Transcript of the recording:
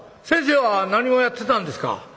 「先生は何をやってたんですか？」。